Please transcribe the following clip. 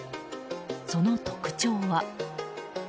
その特徴は。